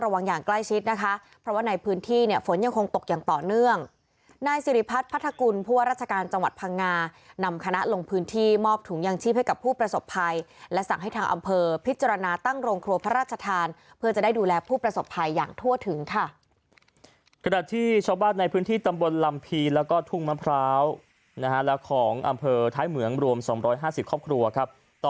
อำเภอพิจารณาตั้งโรงครัวพระราชทานเพื่อจะได้ดูแลผู้ประสบภัยอย่างทั่วถึงค่ะ